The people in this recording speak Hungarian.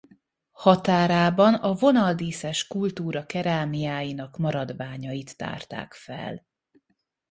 Határában a vonaldíszes kultúra kerámiáinak maradványait tárták fel.